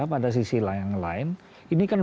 pada sisi lain ini kan